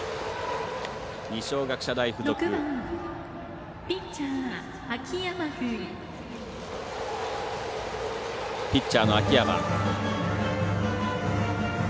二松学舎大付属ピッチャーの秋山。